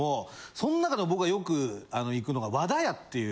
その中でも僕がよく行くのが『和田屋』っていう。